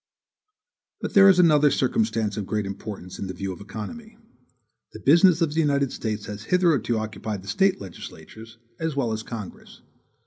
But there is another circumstance of great importance in the view of economy. The business of the United States has hitherto occupied the State legislatures, as well as Congress.